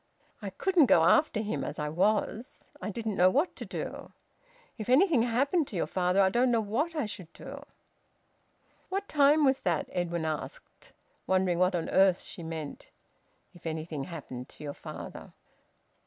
I couldn't go after him, as I was. I didn't know what to do. If anything happened to your father, I don't know what I should do." "What time was that?" Edwin asked, wondering what on earth she meant "if anything happened to your father!"